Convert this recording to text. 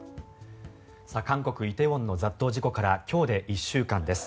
韓国・梨泰院の雑踏事故から今日で１週間です。